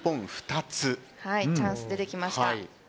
チャンス出てきました。